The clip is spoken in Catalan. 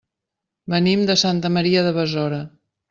Venim de Santa Maria de Besora.